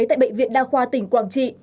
tại bệnh viện đa khoa tỉnh quảng trị